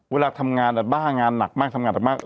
เวลาทำงานด้านบ้านงานหนักมากทำงานด้านอย่างไร